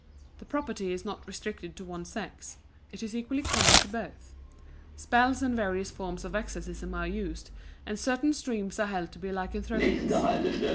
The property is not restricted to one sex; it is equally common to both. Spells and various forms of exorcism are used, and certain streams are held to be lycanthropous.